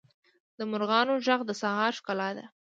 د مرغانو ږغ د سهار ښکلا ده.